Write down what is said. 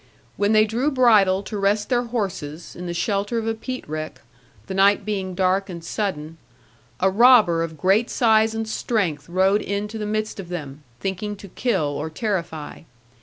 When they drew bridle to rest their horses, in the shelter of a peat rick, the night being dark and sudden, a robber of great size and strength rode into the midst of them, thinking to kill or terrify.